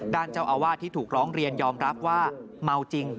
ด้านเจ้าอาวาสที่ถูกร้องเรียนยอมรับว่าเมาจริง